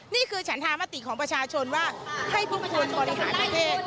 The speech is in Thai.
นี่คือฉันธามติของประชาชนว่าให้พวกชนบริหารประเทศ